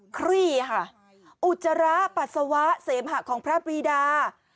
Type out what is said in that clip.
ครี่ค่ะอุจจาระปัสสาวะเสมหะของพระปรีดา